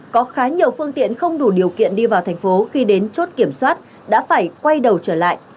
có khá nhiều phương tiện không đủ điều kiện đi vào thành phố khi đến chốt kiểm soát đã phải quay đầu trở lại